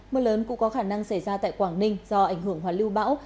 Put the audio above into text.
mưa lớn cũng có khả năng xảy ra tại quảng ninh do ảnh hưởng hoạt lưu bão